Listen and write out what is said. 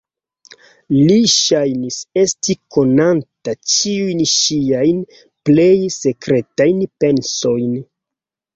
Li ŝajnis esti konanta ĉiujn ŝiajn plej sekretajn pensojn.